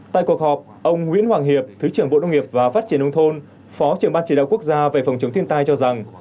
tại cuộc họp ông nguyễn hoàng hiệp thứ trưởng bộ nông nghiệp và phát triển nông thôn phó trưởng ban chỉ đạo quốc gia về phòng chống thiên tai cho rằng